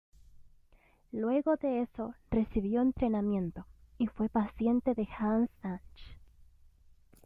Luego de eso recibió entrenamiento, y fue paciente de Hanns Sachs.